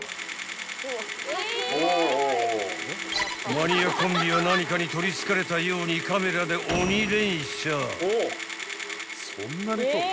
［マニアコンビは何かに取りつかれたようにカメラで鬼連写］